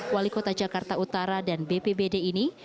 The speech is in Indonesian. wali kota jakarta utara dan bpbd ini